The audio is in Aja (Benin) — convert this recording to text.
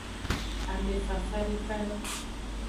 Amefafa dekayo.